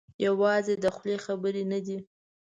یوازې د خولې خبرې نه دي.